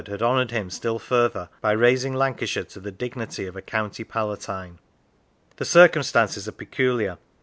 had honoured him still further by raising Lancashire to the dignity of a County Palatine. The circumstances are peculiar.